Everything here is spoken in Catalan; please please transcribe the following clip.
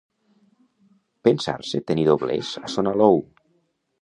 Pensar-se tenir doblers a son Alou.